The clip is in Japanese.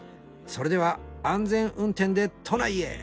それでは安全運転で都内へ！